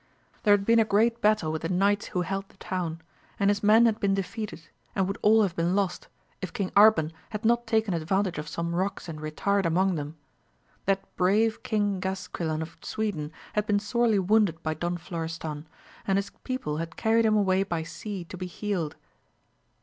There had been a great battle with the knights who held the town, and his men had been defeated, and would all have been lost, if King Arban had not taken advan tage of some rocks and retired among them ; that brave King Gasquilan of Sweden, had been sorely wounded by Don Florestan, and his people had carried him away by sea to be healed.